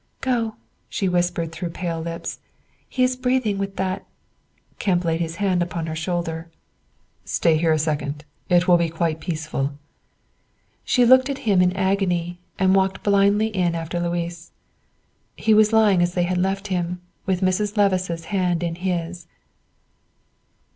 "Go," she whispered through pale lips; "he is breathing with that " Kemp laid his hand upon her shoulder. "Stay here a second; it will be quite peaceful." She looked at him in agony and walked blindly in after Louis. He was lying as they had left him, with Mrs. Levice's hand in his.